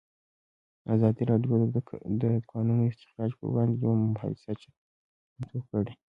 ازادي راډیو د د کانونو استخراج پر وړاندې یوه مباحثه چمتو کړې.